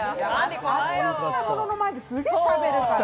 熱々なものの前ですげえしゃべるから。